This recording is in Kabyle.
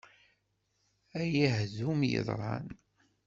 Ay ahdum yeḍran!